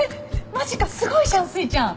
マジかすごいじゃんすいちゃん